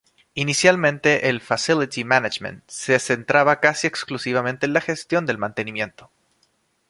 Inicialmente el Facility Management se centraba casi exclusivamente en la gestión del mantenimiento.